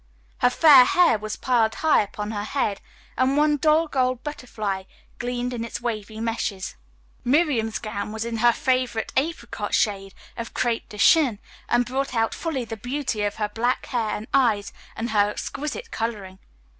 Her fair hair was piled high upon her head, and one dull gold butterfly gleamed in its wavy meshes. Miriam's gown was in her favorite apricot shade of crepe de chine and brought out fully the beauty of her black hair and eyes and her exquisite coloring.